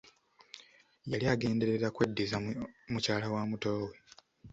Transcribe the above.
Yali agenderera kweddiza mukyala wa muto we.